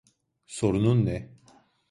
Sorunun ne?